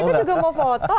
nanti kita juga mau foto